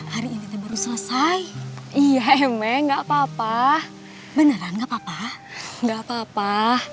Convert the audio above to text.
hari ini baru selesai iya emang enggak papa beneran enggak papa enggak papa